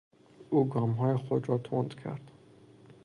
او گامهای خود را تند کرد.